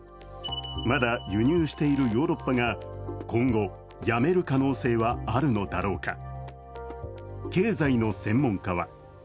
まだ輸入しているヨーロッパが今後、やめる可能性はあるのだろうか。